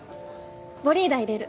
ヴォリーダ入れる。